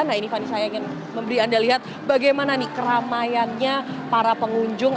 nah ini fani saya ingin memberi anda lihat bagaimana nih keramaiannya para pengunjung